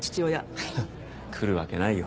フッ来るわけないよ。